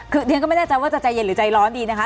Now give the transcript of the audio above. คือเรียนก็ไม่แน่ใจว่าจะใจเย็นหรือใจร้อนดีนะคะ